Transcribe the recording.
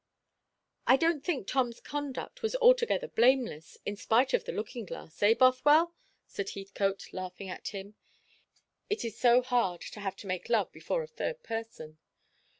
"I don't think Tom's conduct was altogether blameless, in spite of the looking glass, eh, Bothwell?" said Heathcote, laughing at him. It is so hard to have to make love before a third person.